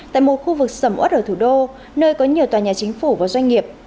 tại một khu vực sầm ớt ở thủ đô nơi có nhiều tòa nhà chính phủ và doanh nghiệp